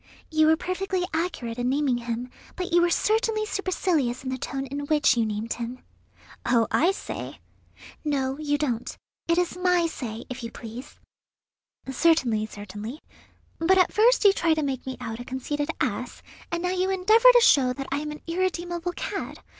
"You were perfectly accurate in naming him, but you were certainly supercilious in the tone in which you named him." "Oh, I say!" "No, you don't; it is my say, if you please." "Certainly, certainly; but at first you try to make me out a conceited ass, and now you endeavour to show that I am an irredeemable cad.